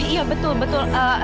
iya betul betul